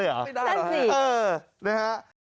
ไม่ได้เหรอครับนะครับ